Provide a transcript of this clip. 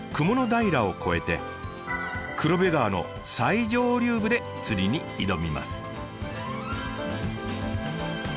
平を越えて黒部川の最上流部で釣りに挑みます。